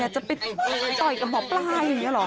จะไปต่อยกับหมอปลาอย่างนี้เหรอ